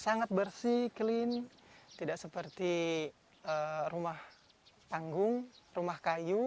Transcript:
sangat bersih clean tidak seperti rumah panggung rumah kayu